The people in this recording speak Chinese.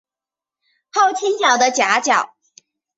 后倾角的夹角。